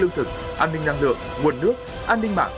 lương thực an ninh năng lượng nguồn nước an ninh mạng